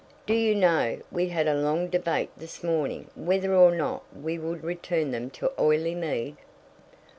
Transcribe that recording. Do you know, we had a long debate this morning whether or no we would return them to Oileymead?"